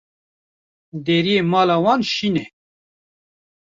Deriyê mala wan şîn e.